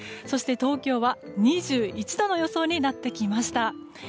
そして東京は２１度の予想になってきました。